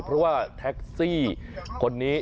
เพราะว่าแท็กซี่คนนี้